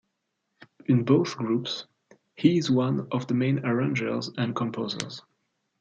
In both groups, he is one of the main arrangers and composers.